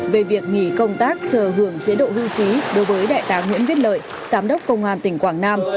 về việc nghỉ công tác chờ hưởng chế độ hưu trí đối với đại tá nguyễn viết lợi giám đốc công an tỉnh quảng nam